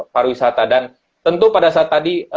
pariwisata dan tentu pada saat tadi